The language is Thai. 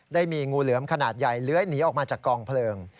ได้มีงูเหลือมขนาดใหญ่เลื้อยหนีออกมาจากกองเพลิง